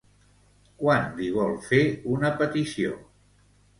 Quan li vol fer una petició?